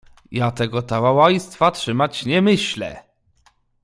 "Ja tego tałałajstwa trzymać nie myślę."